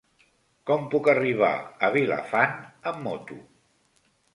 Com puc arribar a Vilafant amb moto?